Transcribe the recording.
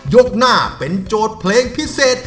ยกหน้าเป็นโจทย์เพลงพิเศษ